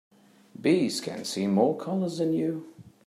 Bees can see more colors than you.